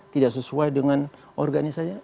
tidak sesuai dengan organisanya